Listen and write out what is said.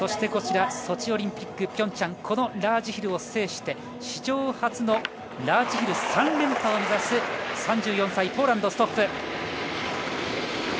ソチオリンピック、ピョンチャン、このラージヒルを制して、史上初のラージヒル３連覇を目指す３４歳、ポーランド、ストッフ。